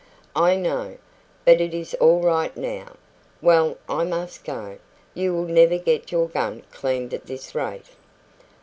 "I know. But it is all right now. Well, I must go. You will never get your gun cleaned at this rate."